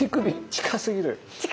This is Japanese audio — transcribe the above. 近すぎる。